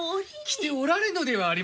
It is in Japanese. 着ておられぬではありませぬか。